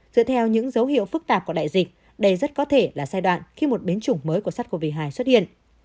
dựa theo những dấu hiệu phức tạp của đại dịch đây rất có thể là giai đoạn khi một biến chủng mới của sars cov hai xuất hiện